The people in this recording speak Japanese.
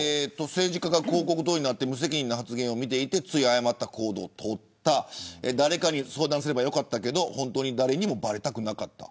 政治家が広告塔になって無責任な発言を見ていてつい誤った行動を取った誰かに相談すればよかったけど誰にもばれたくなかった。